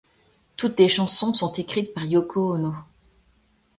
Toutes les chansons sont écrites par Yoko Ono.